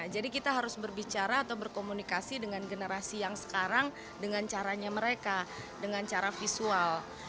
jadi kita harus berbicara atau berkomunikasi dengan generasi yang sekarang dengan caranya mereka dengan cara visual